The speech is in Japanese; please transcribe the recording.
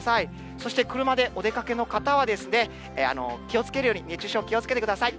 そして車でお出かけの方は気をつけるように、熱中症、気をつけてください。